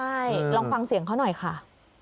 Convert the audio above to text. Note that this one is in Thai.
ใช่ลองฟังเสียงเขาหน่อยค่ะ